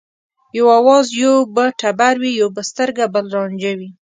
یو آواز یو به ټبر وي یو به سترګه بل رانجه وي